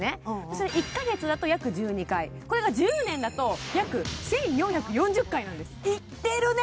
それ１か月だと約１２回これが１０年だと約１４４０回なんです行ってるね